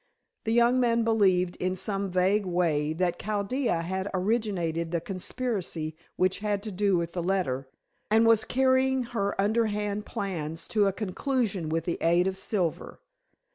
The young man believed, in some vague way, that Chaldea had originated the conspiracy which had to do with the letter, and was carrying her underhand plans to a conclusion with the aid of Silver.